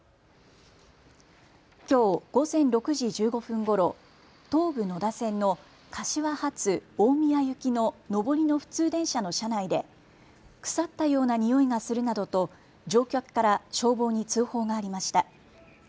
きょう午前６時１５分ごろ、東武野田線の柏発大宮行きの上りの普通電車の車内で腐ったようなにおいがするなどと乗客から消防に通報がありました。